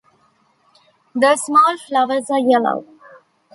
The small flowers are yellow.